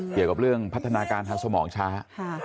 เกี่ยวกับเรื่องพัฒนาการทางสมองช้า